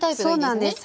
そうなんです。